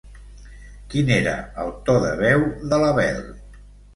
Quin era el to de veu de la Bel?